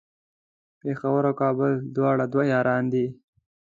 پیښور او کابل دواړه دوه یاران دی